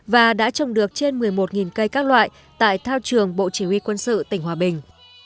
và đã trồng được trên một mươi một cây các loại tại thao trường bộ chỉ huy quân sự tỉnh hòa bình